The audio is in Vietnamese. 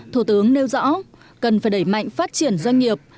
thủ tướng nêu rõ cần phải đẩy mạnh phát triển doanh nghiệp